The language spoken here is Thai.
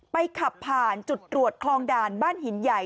ขับผ่านจุดตรวจคลองด่านบ้านหินใหญ่